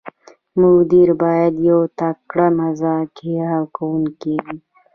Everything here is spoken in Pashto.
مدیر باید یو تکړه مذاکره کوونکی وي.